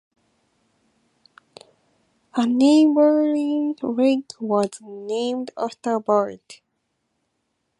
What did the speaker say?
A neighboring lake was named after Burt.